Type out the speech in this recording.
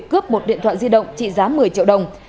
cướp một điện thoại di động trị giá một mươi triệu đồng